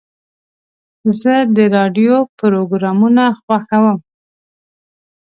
زه د راډیو پروګرامونه خوښوم.